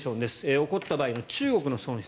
起こった場合の中国の損失。